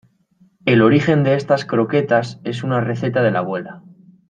El origen de estas croquetas es una receta de la abuela.